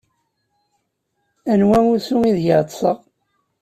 Anwa usu ideg ad ṭṭseɣ.